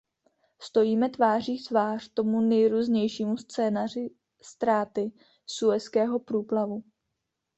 Stojíme tváří v tvář tomu nejhrůznějšímu scénáři ztráty Suezského průplavu.